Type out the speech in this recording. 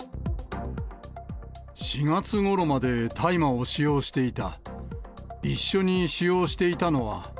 ４月ごろまで大麻を使用していた。